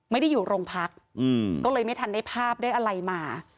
ไม่ได้อยู่โรงพักก็เลยไม่ทันได้ภาพได้อะไรมา